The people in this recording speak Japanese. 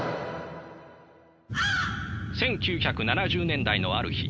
１９７０年代のある日